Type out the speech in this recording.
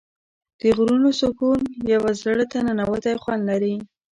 د غرونو سکون یو زړه ته ننووتی خوند لري.